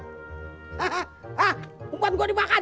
hah umpan gue dimakan